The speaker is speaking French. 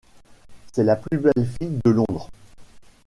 C’est la plus belle fille de Londres.